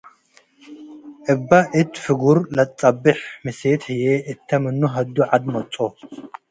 እበ እት ፍጉር ለተጸቤሕ ምሴት ህዬ እተ ምኑ ሀዱ ዐድ መጽኦ ።